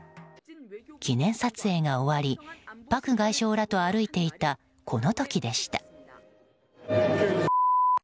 記念撮影が終わりパク外相らと歩いていたこの時でした。